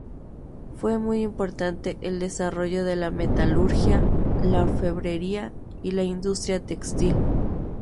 Fue muy importante el desarrollo de la metalurgia, la orfebrería y la industria textil.